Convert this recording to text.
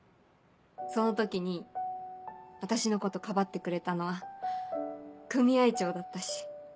その時に私のことかばってくれたのは組合長だったし。